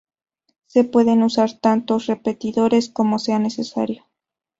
Se pueden usar tantos repetidores como sea necesario.